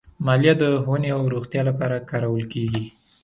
مالیه د ښوونې او روغتیا لپاره کارول کېږي.